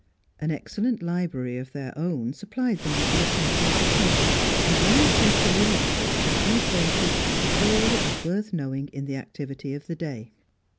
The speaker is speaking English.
An excellent library of their own supplied them with the essentials of culture, and one or two periodicals kept them acquainted with all that was worth knowing in the activity of the day.